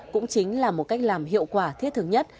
cũng chính là một cách làm hiệu quả thiết thực nhất